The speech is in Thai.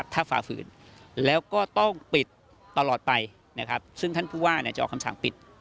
ถ้าฝ่าฝืนแล้วก็ต้องปิดตลอดไปนะครับซึ่งท่านผู้ว่าจะออกคำสั่งปิด